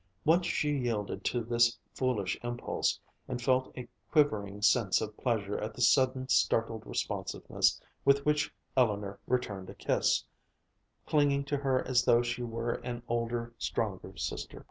Once she yielded to this foolish impulse, and felt a quivering sense of pleasure at the sudden startled responsiveness with which Eleanor returned a kiss, clinging to her as though she were an older, stronger sister.